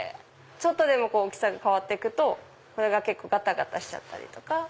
ちょっとでも大きさが変わると結構ガタガタしちゃったりとか。